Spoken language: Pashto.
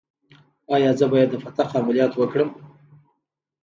ایا زه باید د فتق عملیات وکړم؟